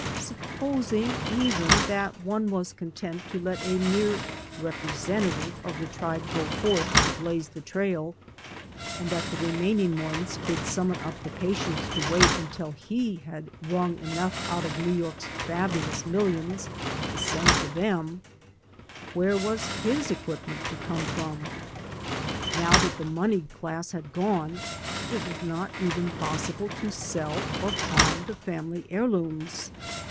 Supposing even that one was content to let a mere representative of the tribe go forth to blaze the trail, and that the remaining ones could summon up the patience to wait until he had wrung enough out of New York's fabulous millions to send for them, where was his equipment to come from? Now that the moneyed class had gone, it was not even possible to sell or pawn the family heirlooms.